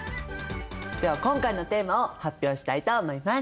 では今回のテーマを発表したいと思います。